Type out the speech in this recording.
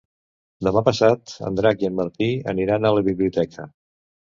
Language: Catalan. Demà passat en Drac i en Martí aniran a la biblioteca.